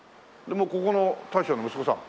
ここの大将の息子さん？